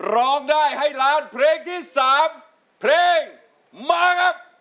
ร้องได้ให้ล้านเพลงที่๓เพลงมาครับ